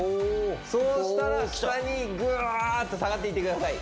そうしたら下にぐっと下がっていってください